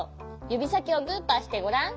ゆびさきをグーパーしてごらん。